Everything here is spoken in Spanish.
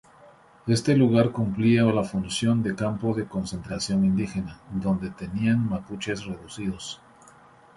Este lugar cumplía la función de campo de concentración indígena, donde tenían mapuches reducidos.